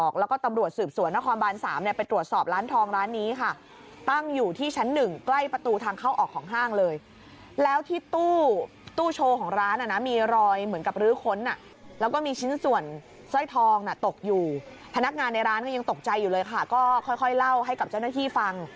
ก็ค่อยเล่าให้กับเจ้าหน้าที่ฟัง